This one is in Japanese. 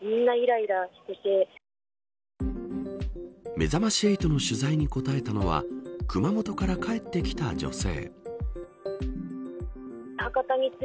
めざまし８の取材に答えたのは熊本から帰ってきた女性。